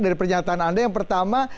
dari pernyataan anda yang pertama